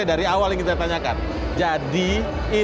thank you pak deddy